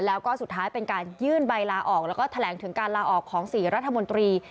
แล้วก็สุดท้ายเป็นการยื่นใบลาออกแล้วก็แถลงถึงการลาออกของ๔รัฐมนตรี